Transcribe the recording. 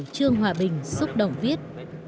trương hòa bình xúc động viết